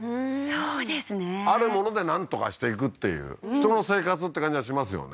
そうですねあるものでなんとかしていくっていう人の生活って感じがしますよね